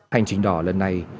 hành trình đỏ lần này